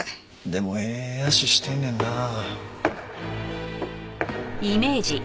でもええ脚してんねんなあ。